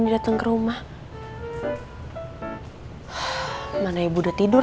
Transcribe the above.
udah lu jangan ikutin gue